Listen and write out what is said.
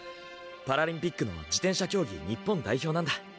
パラリンピックの自転車競技日本代表なんだ。